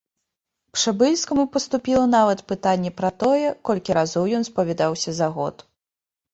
Пшэбыльскаму паступіла нават пытанне пра тое, колькі разоў ён спавядаўся за год.